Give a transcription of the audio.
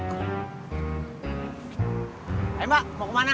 eh mbak mau kemana